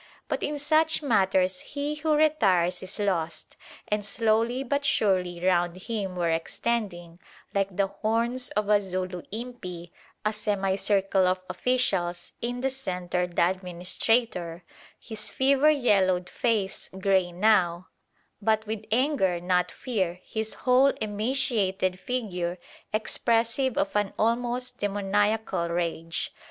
But in such matters he who retires is lost, and slowly but surely round him were extending, like the horns of a Zulu impi, a semicircle of officials, in the centre the administrator, his fever yellowed face grey now, but with anger, not fear, his whole emaciated figure expressive of an almost demoniacal rage.